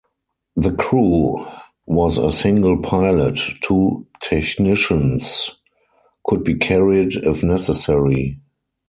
The crew was a single pilot; two technicians could be carried if necessary.